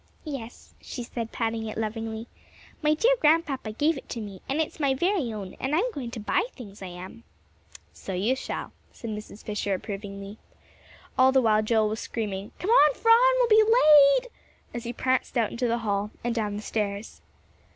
"Yes," she said, patting it lovingly. "My dear Grandpapa gave it to me, and it's my very own, and I'm going to buy things, I am." "So you shall," said Mrs. Fisher, approvingly. All the while Joel was screaming, "Come on, Phron, we'll be late," as he pranced out into the hall and down the stairs.